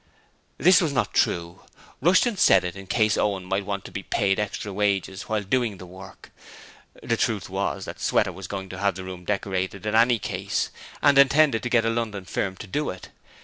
This was not true: Rushton said it in case Owen might want to be paid extra wages while doing the work. The truth was that Sweater was going to have the room decorated in any case, and intended to get a London firm to do it.